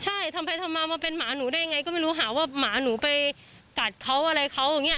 ใช่ทำไปทำมามาเป็นหมาหนูได้ไงก็ไม่รู้หาว่าหมาหนูไปกัดเขาอะไรเขาอย่างนี้